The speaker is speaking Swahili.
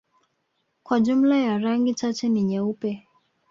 kwa jumla ya rangi chache ni nyeupe